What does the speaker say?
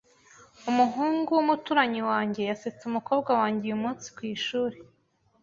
Umuhungu wumuturanyi wanjye yasetse umukobwa wanjye uyumunsi kwishuri.